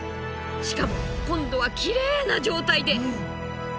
しかも今度はきれいな状態で。